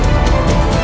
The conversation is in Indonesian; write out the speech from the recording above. aku tidak mau